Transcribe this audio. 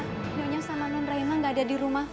nyonya sama non raina gak ada di rumah